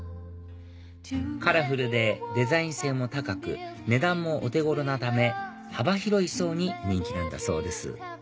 カラフルでデザイン性も高く値段もお手頃なため幅広い層に人気なんだそうです